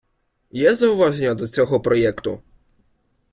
Є зауваження до цього проекту?